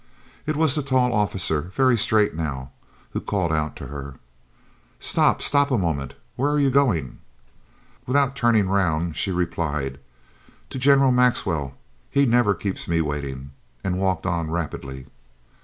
It was the tall officer, very straight now, who called out to her: "Stop, stop a moment. Where are you going?" Without turning round she replied: "To General Maxwell. He never keeps me waiting," and walked on rapidly.